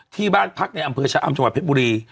ที่บ้านพักในอำเภอชะอำจังหวัดเพชรบุรี